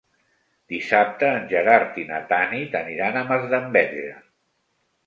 Dissabte en Gerard i na Tanit aniran a Masdenverge.